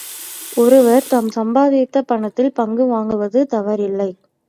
ஒருவர் தாம் சம்பாதித்த பணத்தில் பங்கு வாங்குவது தவறில்லை.